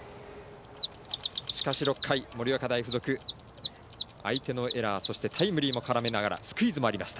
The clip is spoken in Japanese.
しかし６回、盛岡大付属相手のエラーそしてタイムリーも絡めながらスクイズもありました。